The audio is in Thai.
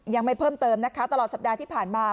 ยังไม่เพิ่มเติมนะคะตลอดสัปดาห์ที่ผ่านมา